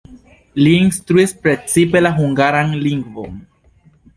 Li instruis precipe la hungaran lingvon.